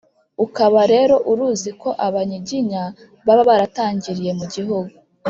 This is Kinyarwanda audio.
ukaba rero uruzi ko abanyiginya baba baratangiriye mu gihugu